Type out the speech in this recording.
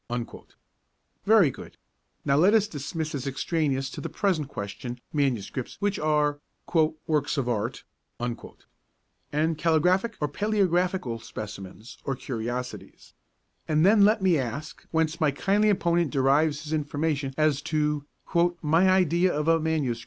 Very good: now let us dismiss as extraneous to the present question manuscripts which are 'works of art,' and calligraphic or palæographical specimens or curiosities, and then let me ask whence my kindly opponent derives his information as to 'my idea of a MS.